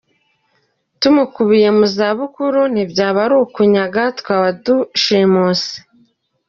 Tumukubiye mu zabukuru ntibyaba ari ukunyaga twaba dushimuse “.